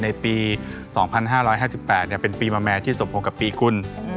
ในปี๒๕๕๘เป็นปีมะแม่ที่สมพงษ์กับปีกุล